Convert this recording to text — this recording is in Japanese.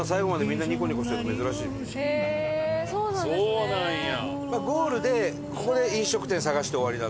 そうなんや。